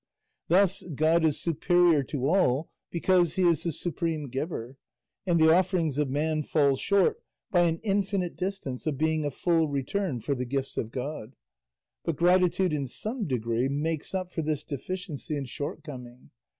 Thus, God is superior to all because he is the supreme giver, and the offerings of man fall short by an infinite distance of being a full return for the gifts of God; but gratitude in some degree makes up for this deficiency and shortcoming.